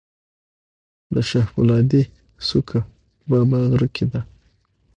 د شاه فولادي څوکه په بابا غر کې ده